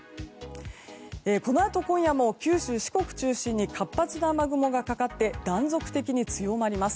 このあと今夜も九州・四国を中心に活発な雨雲がかかって断続的に強まります。